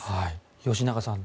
吉永さん